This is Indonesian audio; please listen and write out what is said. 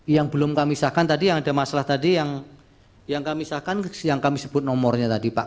yang belum kami sahkan tadi yang ada masalah tadi yang kami sahkan yang kami sebut nomornya tadi pak